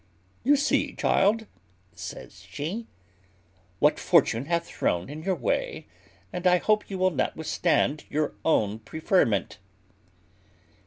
"You see, child," says she, "what fortune hath thrown in your way; and I hope you will not withstand your own preferment."